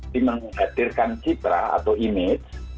di menghadirkan citra atau image